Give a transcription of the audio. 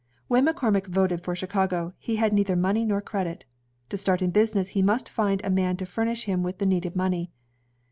When McCormick voted for Chicago, he had neither money nor credit. To start in business, he must find a man to furnish him with the needed money.